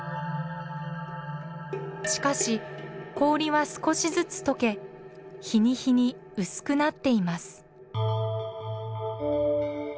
しかし氷は少しずつ解け日に日に薄くなっています。